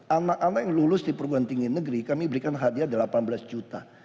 anak anak yang lulus di perguruan tinggi negeri kami berikan hadiah delapan belas juta